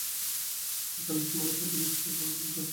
কায়ক্লেশে সম্মুখের পথে দৃষ্টি রাখিয়া কোনোরকমে পথ চলিতে লাগিল।